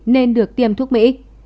nên được tiêm thuốc mỹ